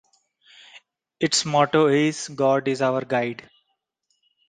Its motto is "God Is Our Guide".